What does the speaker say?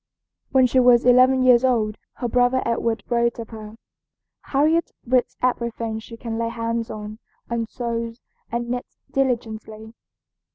When she was eleven years old her brother Edward wrote of her: "Harriet reads everything she can lay hands on, and sews and knits diligently."